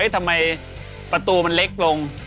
ทำไมประตูมันเล็กลง